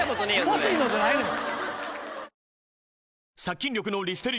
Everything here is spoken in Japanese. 欲しいのじゃないのよ。